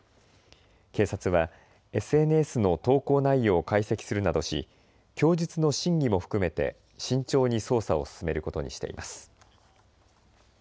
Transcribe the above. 警察はＳＮＳの投稿内容を解析するなどし供述の真偽も含めて慎重に捜査を進めることにしています。